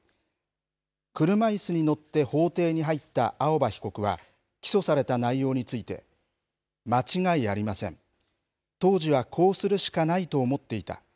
車いすに乗って法廷に入った青葉被告は、起訴された内容について、間違いありません、当時はこうするしかないと思っていた。